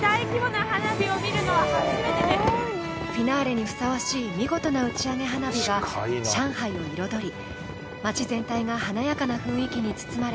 フィナーレにふさわしい見事な打ち上げ花火が上海を彩り街全体が華やかな雰囲気に包まれ、